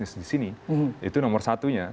peserahannya itu nomor satu